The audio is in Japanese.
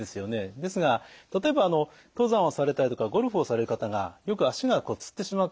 ですが例えば登山をされたりとかゴルフをされる方がよく足がつってしまって。